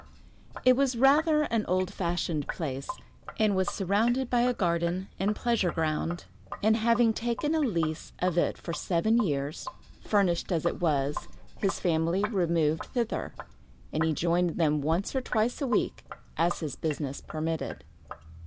It was rather an old fashioned place, and was surrounded by a garden and pleasure ground; and having taken a lease of it for seven years, furnished as it was, his family removed thither, and he joined them once or twice a week, as his business permitted.